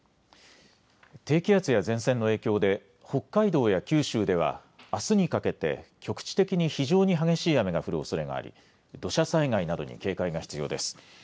低気圧や前線の影響で北海道や九州ではあすにかけて局地的に非常に激しい雨が降るおそれがあり土砂災害などに警戒が必要です。